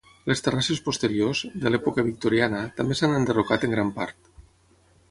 Les terrasses posteriors, de l'època victoriana, també s'han enderrocat en gran part.